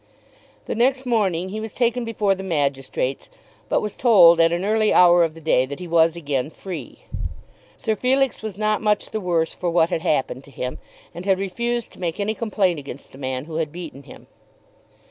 The next morning he was taken before the magistrates, but was told at an early hour of the day that he was again free. Sir Felix was not much the worse for what had happened to him, and had refused to make any complaint against the man who had beaten him.